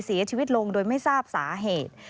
เสียชีวิตลงโดยไม่ทราบสาเหตุ